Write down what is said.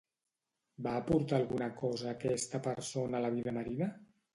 Va aportar alguna cosa aquesta persona a la vida marina?